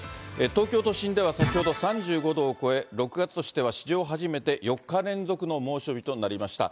東京都心では先ほど３５度を超え、６月としては史上初めて、４日連続の猛暑日となりました。